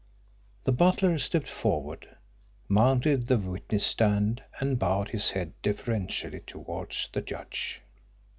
The butler stepped forward, mounted the witness stand, and bowed his head deferentially towards the judge.